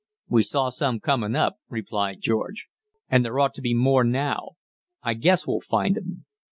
"We saw some comin' up," replied George, "and there ought to be more now; I guess we'll find 'em."